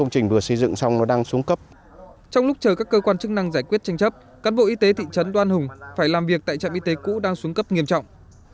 trong lúc chờ các cơ quan chức năng giải quyết tranh chấp cán bộ y tế thị trấn đoan hùng phải làm việc tại trạm y tế cũ đang xuống cấp nghiêm trọng